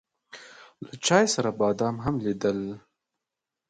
له چای سره بادام هم وليدل.